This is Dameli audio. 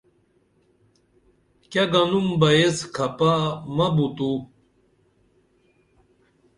کیہ گنُم بہ ایس کھپہ مہ ُبو تو